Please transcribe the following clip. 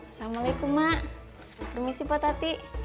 assalamu'alaikum mak permisi bu tati